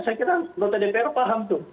saya kira dpr paham itu